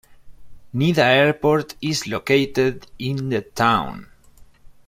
Nida Airport is located in the town.